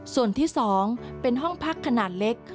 ส่วนที่๒เป็นห้องพักขนาดเล็ก